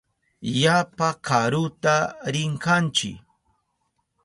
Yapa karuta rinkanchi.